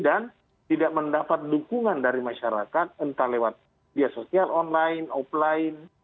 dan tidak mendapat dukungan dari masyarakat entah lewat media sosial online offline